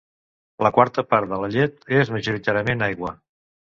La quarta part de la llet és majoritàriament aigua.